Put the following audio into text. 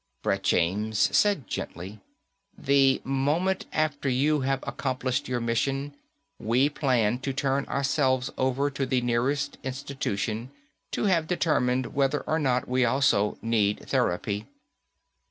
Brett James said gently, "The moment after you have accomplished your mission, we plan to turn ourselves over to the nearest institution to have determined whether or not we also need therapy."